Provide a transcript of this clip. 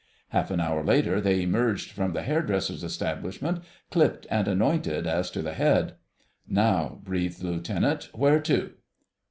Half an hour later they emerged from the hairdresser's establishment, clipped and anointed as to the head. "Now," breathed the Lieutenant, "where to?"